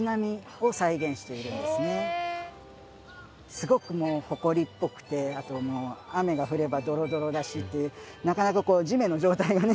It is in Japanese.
すごくもうほこりっぽくてあともう雨が降ればドロドロだしでなかなかこう地面の状態がね